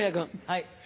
はい。